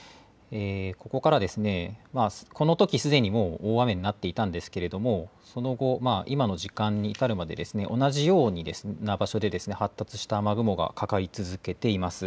ここからこのときすでに大雨となっていたんですがその後、今の時間に至るまで同じような場所で発達した雨雲がかかり続けています。